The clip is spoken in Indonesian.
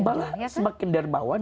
malah semakin dermawan